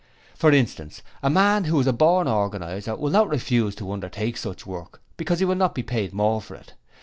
For instance a man who is a born organizer will not refuse to undertake such work because he will not be paid more for it.